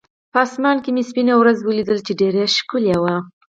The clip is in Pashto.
په اسمان کې مې سپینه ورېځ ولیدله، چې ډېره ښکلې وه.